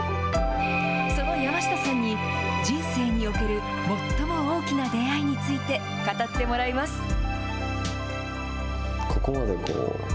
その山下さんに、人生における最も大きな出会いについて語ってもらいます。